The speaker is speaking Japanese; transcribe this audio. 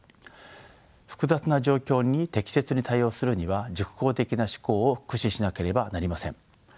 複雑な状況に適切に対応するには熟考的な思考を駆使しなければなりません。